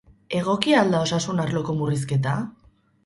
Egokia al da osasun arloko murrizketa?